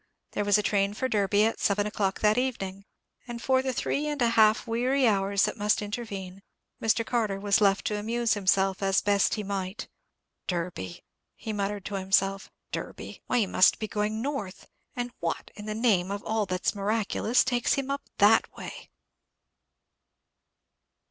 There was a train for Derby at seven o'clock that evening; and for the three and a half weary hours that must intervene, Mr. Carter was left to amuse himself as best he might. "Derby," he muttered to himself, "Derby. Why, he must be going north; and what, in the name of all that's miraculous, takes him that way?"